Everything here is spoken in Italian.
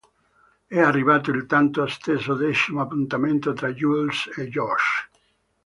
È arrivato il tanto atteso decimo appuntamento tra Jules e Josh.